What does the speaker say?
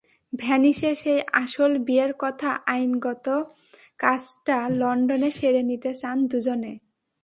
ভেনিসে সেই আসল বিয়ের আগে আইনগত কাজটা লন্ডনে সেরে নিতে চান দুজনে।